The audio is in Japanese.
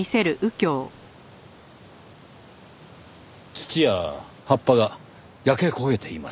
土や葉っぱが焼け焦げています。